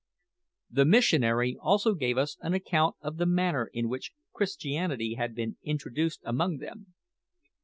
The missionary also gave us an account of the manner in which Christianity had been introduced among them.